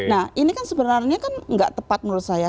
nah ini kan sebenarnya kan nggak tepat menurut saya